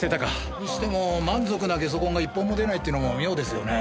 にしても満足なゲソ痕が１本も出ないっていうのも妙ですよね。